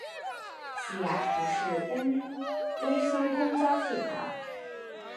西雅图市中心公交隧道。